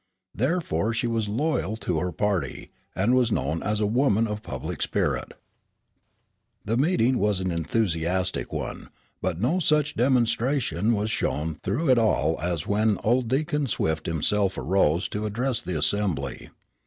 Therefore she was loyal to her party, and was known as a woman of public spirit. The meeting was an enthusiastic one, but no such demonstration was shown through it all as when old Deacon Swift himself arose to address the assembly.